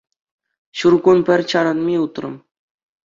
Ҫур кун пӗр чарӑнми утрӑм.